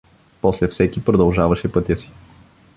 После всеки продължаваше пътя си.